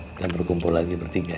kita berkumpul lagi bertiga ya